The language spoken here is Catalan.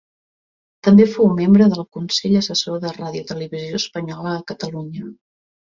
També fou membre del Consell Assessor de Radiotelevisió Espanyola a Catalunya.